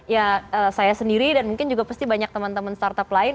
ya saya sendiri dan mungkin juga pasti banyak teman teman startup lain